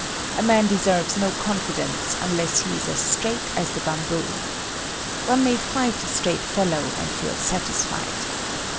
A man deserves no confidence unless he is as straight as the bamboo. One may fight a straight fellow, and feel satisfied.